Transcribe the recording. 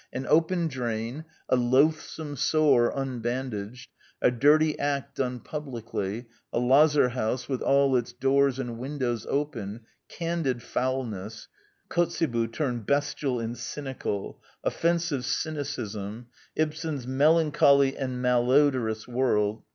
..• An open drain; a loathsome sore unbandaged; a dirty act done publicly; a lazar house with all its doors and windows open. ... Candid foulness. ..• Kotzebue turned bestial and cynical. Offensive cynicism. .•• Ibsen's melancholy and malodor ous world.